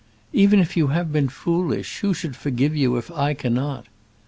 "Even if you have been foolish, who should forgive you if I cannot?"